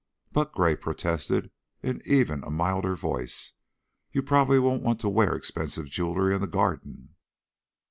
"But," Gray protested, in even a milder voice, "you probably wouldn't want to wear expensive jewelry in the garden."